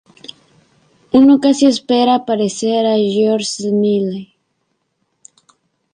Uno casi espera aparecer a George Smiley".